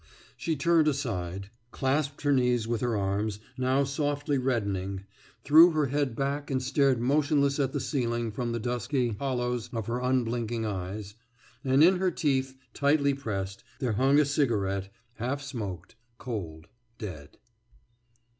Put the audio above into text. She turned aside, clasped her knees with her arms, now softly reddening, threw her head back and stared motionless at the ceiling from the dusky hollows of her unblinking eyes. And in her teeth, tightly pressed, there hung a cigarette, half smoked, cold, dead.